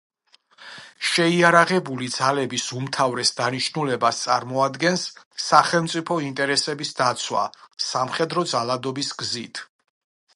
შეიარაღებული ძალების უმთავრეს დანიშნულებას წარმოადგენს სახელმწიფო ინტერესების დაცვა სამხედრო ძალადობის გზით.